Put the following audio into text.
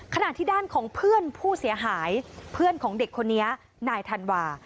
ขณะที่ด้านของเพื่อนผู้เสียหายเพื่อนของเด็กคนนี้นายธันวา